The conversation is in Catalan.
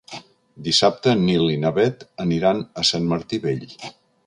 Dissabte en Nil i na Bet aniran a Sant Martí Vell.